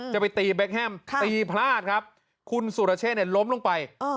จะไปตีเบคแฮมตีพลาดครับคุณสุรเชษล้มลงไป